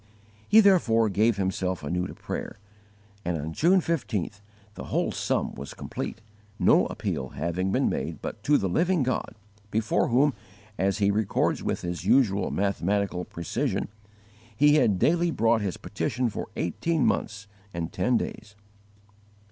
_ He therefore gave himself anew to prayer; and on June 15th the whole sum was complete, no appeal having been made but to the Living God, before whom, as he records with his usual mathematical precision, he had daily brought his petition for _eighteen months and ten days.